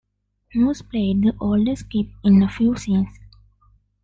Moose played the older Skip in a few scenes.